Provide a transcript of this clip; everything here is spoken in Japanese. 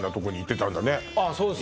そうですね